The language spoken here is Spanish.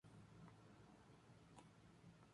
El Campamento Especial Nr.